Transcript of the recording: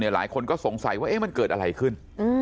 หลายคนก็สงสัยว่ามันเกิดอะไรขึ้น